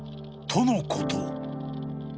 ［とのこと］